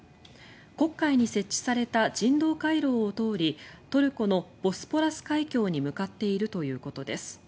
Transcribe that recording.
黒海に設置された人道回廊を通りトルコのボスポラス海峡に向かっているということです。